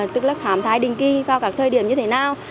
tức là khám thai định kỳ vào các thời điểm như thế nào